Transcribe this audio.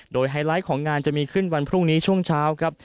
โดยไฮไลท์ของงานจะมีขึ้นวันพรุ่งนี้ช่วงเช้าครับ